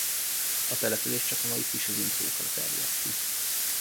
A település csak a mai Kis-Windhoek-ra terjedt ki.